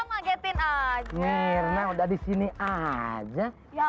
kagetin aja udah di sini aja